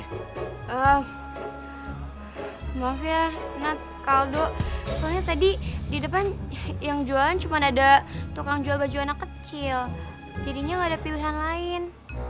maaf ya not kaldo soalnya tadi di depan yang jualan cuma ada tukang jual baju anak kecil jadinya nggak ada pilihan lain